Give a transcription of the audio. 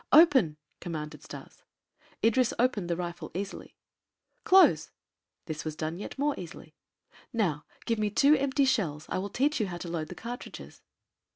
"Open!" commanded Stas. Idris opened the rifle easily. "Close." This was done yet more easily. "Now give me two empty shells. I will teach you how to load the cartridges."